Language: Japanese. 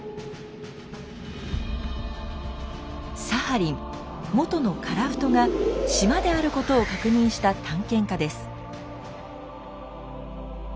サハリン元の樺太が島であることを確認した探検家です。